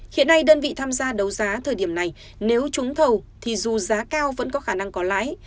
hiện nay đơn vị tham gia đấu giá thời điểm này nếu trúng thầu thì dù giá cao vẫn có khả năng có lãi